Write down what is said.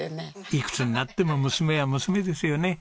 いくつになっても娘は娘ですよね。